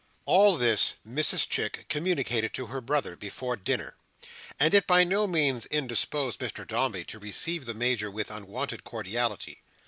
All this Mrs Chick communicated to her brother before dinner: and it by no means indisposed Mr Dombey to receive the Major with unwonted cordiality.